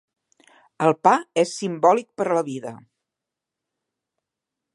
El pa és simbòlic per a la vida.